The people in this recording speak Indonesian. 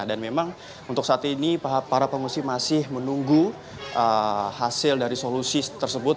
dan memang untuk saat ini para pengungsi masih menunggu hasil dari solusi tersebut